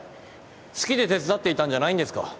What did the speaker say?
好きで手伝っていたんじゃないんですか？